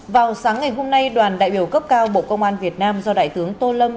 vào sáng ngày hôm nay đoàn đại biểu cấp cao bộ công an việt nam do đại tướng tô lâm